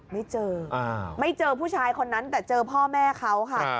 ไม่เจอไม่เจอผู้ชายคนนั้นแต่เจอพ่อแม่เขาค่ะ